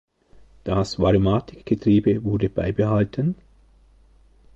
Das Variomatic-Getriebe wurde beibehalten.